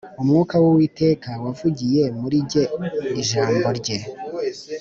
Umwuka w’Uwiteka yavugiye muri jye Ijambo rye